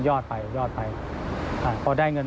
จะติดไว้ก็ได้